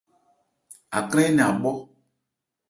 Akrân énɛn a bhɔ.